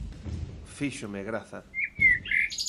Fíxome graza.